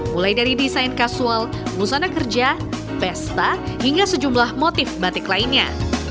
mulai dari desain kasual busana kerja pesta hingga sejumlah motif batik lainnya